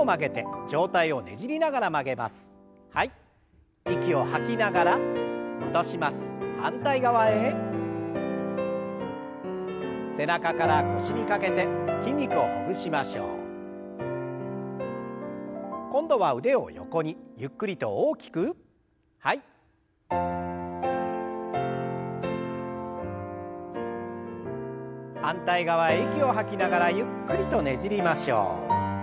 反対側へ息を吐きながらゆっくりとねじりましょう。